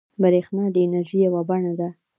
بریښنا د انرژۍ یوه بڼه ده